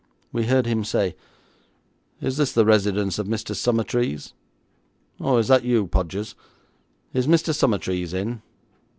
We heard him say, 'Is this the residence of Mr. Summertrees? Oh, is that you, Podgers? Is Mr. Summertrees in?